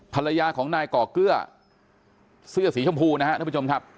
ภรรยาของนายก่อเกลือเสื้อสีชมพูนะครับท่านผู้ชมครับ